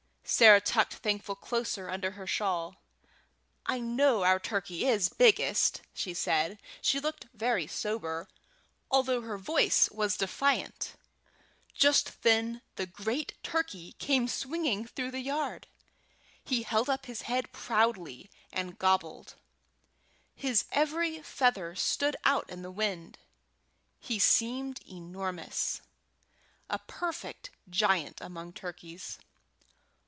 Sarah tucked Thankful closer under her shawl. "I know our turkey is biggest," said she. She looked very sober, although her voice was defiant. Just then the great turkey came swinging through the yard. He held up his head proudly and gobbled. His every feather stood out in the wind. He seemed enormous a perfect giant among turkeys.